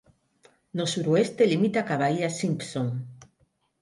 No suroeste limita coa Baía Simpson.